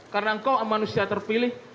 karena engkau manusia terpilih